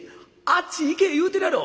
あっち行け言うてるやろ！」。